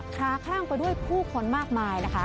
ค้าคลั่งไปด้วยผู้คนมากมายนะคะ